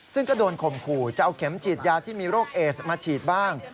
ซึ่งก็โดนข่มขู่จะเอาเข็มฉีดยาที่มีโรคเอสมาฉีดบ้าง